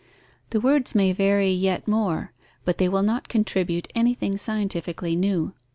The words may vary yet more, but they will not contribute anything scientifically new.